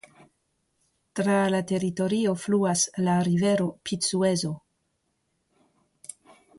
Tra la teritorio fluas la rivero Picuezo.